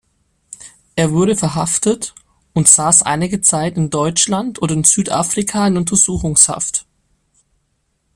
Er wurde verhaftet und saß einige Zeit in Deutschland und in Südafrika in Untersuchungshaft.